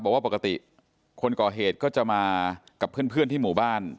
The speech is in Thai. บอกว่าปกติคนก่อเหตุก็จะมากับเพื่อนที่หมู่บ้าน